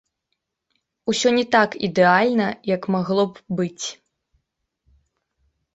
Усё не так ідэальна, як магло б быць.